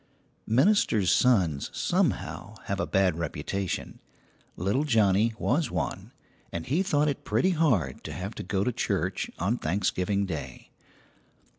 Ministers' sons, somehow, have a bad reputation. Little Johnnie was one and he thought it pretty hard to have to go to church on Thanksgiving Day.